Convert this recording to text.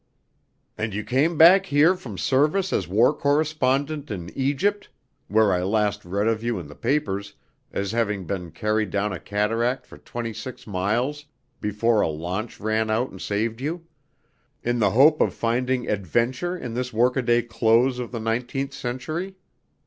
"And you come back here from service as war correspondent in Egypt (where I last read of you in the papers as having been carried down a cataract for twenty six miles before a launch ran out and saved you) in the hope of finding 'adventure' in this workaday close of the nineteenth century?